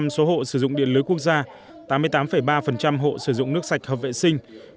chín mươi tám số hộ sử dụng điện lưới quốc gia tám mươi tám ba hộ sử dụng nước sạch hợp vệ sinh